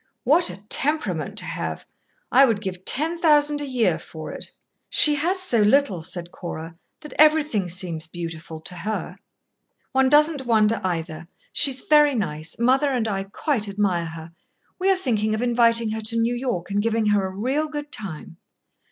"What a temperament to have! I would give ten thousand a year for it." "She has so little," said Cora, "that everything seems beautiful to her. One doesn't wonder, either. She's very nice. Mother and I quite admire her. We are thinking of inviting her to New York and giving her a real good time."